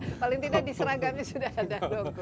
paling tidak di seragamnya sudah ada dokumen